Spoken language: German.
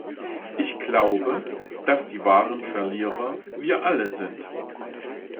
Ich glaube, dass die wahren Verlierer wir alle sind.